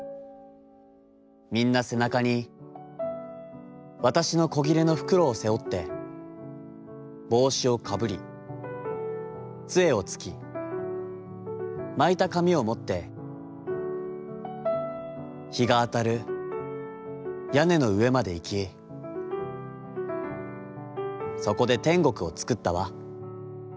みんな背中に、わたしの小布の袋を背負って、帽子をかぶり、杖をつき、巻いた紙をもって、日があたる屋根の上までいき、そこで天国をつくったわ』。